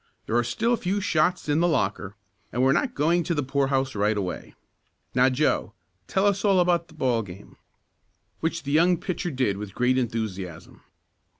There are still a few shots in the locker, and we're not going to the poorhouse right away. Now, Joe, tell us all about the ball game." Which the young pitcher did with great enthusiasm.